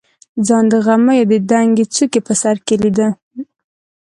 ځان د غمیو د دنګې څوکې په سر کې لیده.